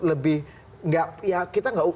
lebih ya kita gak